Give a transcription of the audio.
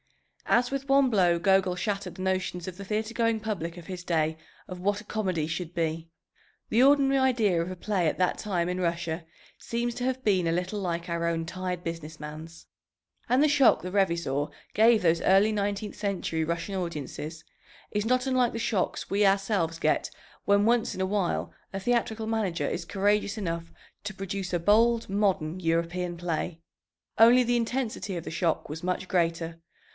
As with one blow, Gogol shattered the notions of the theatre going public of his day of what a comedy should be. The ordinary idea of a play at that time in Russia seems to have been a little like our own tired business man's. And the shock the Revizor gave those early nineteenth century Russian audiences is not unlike the shocks we ourselves get when once in a while a theatrical manager is courageous enough to produce a bold modern European play. Only the intensity of the shock was much greater.